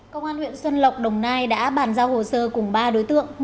công an huyện xuân lộc đồng nai đã bàn giao hồ sơ cùng ba đối tượng